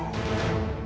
karena dia sendiri